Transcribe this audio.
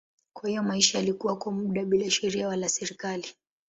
Kwa hiyo maisha yalikuwa kwa muda bila sheria wala serikali.